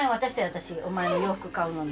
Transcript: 私お前に洋服買うのに。